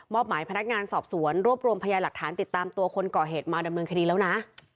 หมายพนักงานสอบสวนรวบรวมพยาหลักฐานติดตามตัวคนก่อเหตุมาดำเนินคดีแล้วนะ